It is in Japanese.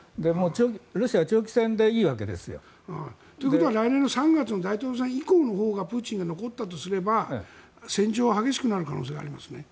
ロシアは長期戦でいいわけですよ。ということは来年３月の大統領選以降のほうがプーチンが残ったとすれば戦状は激しくなる可能性がありますね。